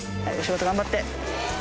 はいお仕事頑張って。